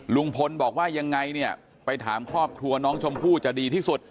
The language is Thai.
ลุงพลบอกว่ายังไงเนี่ยไปถามครอบครัวน้องชมพู่จะดีที่สุด